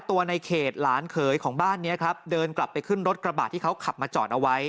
ในเขตหลานเขยของบ้านนี้ครับเดินกลับไปขึ้นรถกระบาดที่เขาขับมาจอดเอาไว้